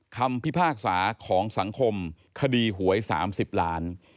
คำพิพากษาของสังคมคดีหวย๓๐ล้าน